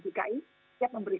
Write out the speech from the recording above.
tetapi kami kerja ini